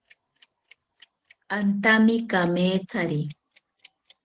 Antami kamethari